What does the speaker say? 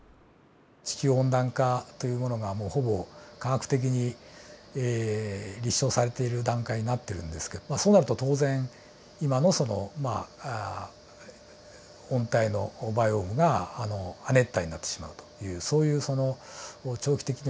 地球温暖化というものがもうほぼ科学的に立証されている段階になってるんですけどそうなると当然今の温帯のバイオームが亜熱帯になってしまうというそういうその長期的にはですね